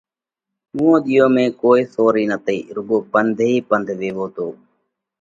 اُوئون ۮِيئون ۾ ڪوئي سوارئِي نتئِي، رُوڳو پنڌ ئي پنڌ ويوو تو۔